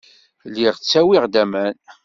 Lliɣ ttawiɣ-d aman.